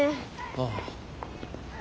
ああ。